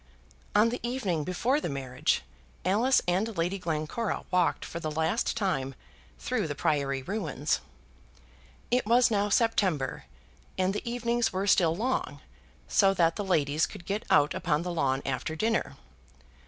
On the evening before the marriage Alice and Lady Glencora walked for the last time through the Priory ruins. It was now September, and the evenings were still long, so that the ladies could get out upon the lawn after dinner.